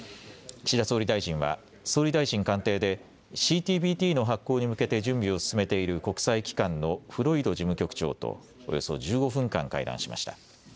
岸田総理大臣は総理大臣官邸でＣＴＢＴの発効に向けて準備を進めている国際機関のフロイド事務局長とおよそ１５分間、会談しました。